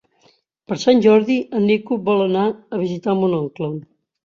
Per Sant Jordi en Nico vol anar a visitar mon oncle.